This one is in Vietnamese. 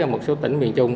một số tỉnh miền trung